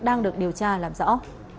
đang được điều tra làm rõ